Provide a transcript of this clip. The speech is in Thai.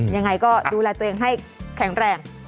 ยังไงก็ดูแลตัวเองให้แข็งแรง